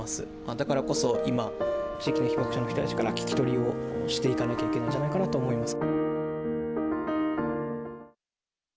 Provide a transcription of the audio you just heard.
だからこそ今、地域被爆者の人たちから聞き取りをしなくてはいけないんじゃないかと思います。